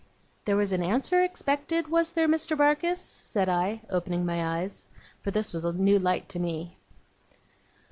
'There was an answer expected, was there, Mr. Barkis?' said I, opening my eyes. For this was a new light to me.